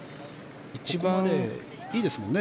一番いいですもんね。